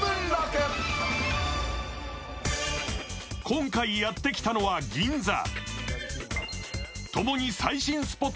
今回やってきたのは銀座。